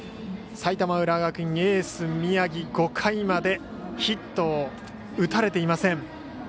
埼玉、浦和学院のエースの宮城５回までヒットを打たれていません。